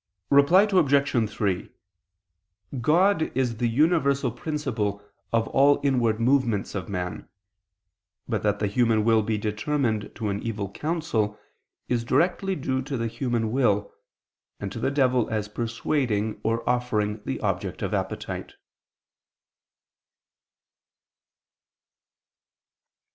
Reply Obj. 3: God is the universal principle of all inward movements of man; but that the human will be determined to an evil counsel, is directly due to the human will, and to the devil as persuading or offering the object of appetite.